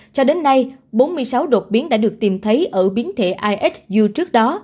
cho đến nay bốn mươi sáu đột biến đã được tìm thấy ở biến thể ihu trước đó